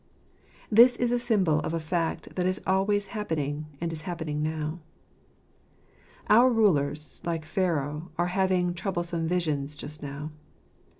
This is a symbol of a fact that is always happening, and is happening now. Our rulers, like Pharaoh, are having troublesome visions just now.